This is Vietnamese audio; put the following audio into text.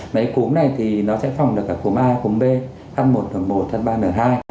mấy cúm này thì nó sẽ phòng được cả cúm a cúm b h một h một h ba h hai